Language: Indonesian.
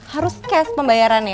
harus cash pembayarannya